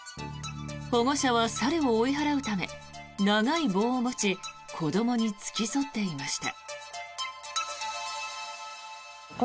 保護者は猿を追い払うため長い棒を持ち子どもに付き添っていました。